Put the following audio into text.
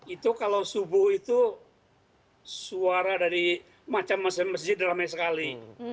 itu kalau subuh itu suara dari macam masjid masjid ramai sekali